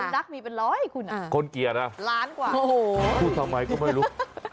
รักมีเป็นร้อยคุณอ่ะคนเกลี่ยนะล้านกว่าโอ้โหพูดทำไมก็ไม่รู้